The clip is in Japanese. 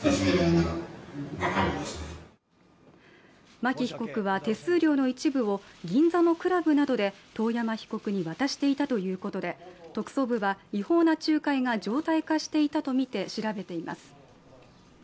牧被告は手数料の一部を銀座のクラブなどで遠山被告に渡していたということで特捜部は違法な仲介が常態化していたとみて調べています。